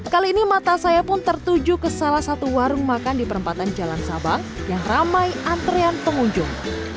kali ini mata saya pun tertuju ke salah satu warung makan di perempatan jalan sabang yang ramai antrean pengunjung